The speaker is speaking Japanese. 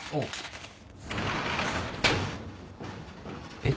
えっ？